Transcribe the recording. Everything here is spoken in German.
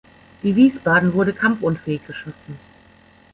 Die "Wiesbaden" wurde kampfunfähig geschossen.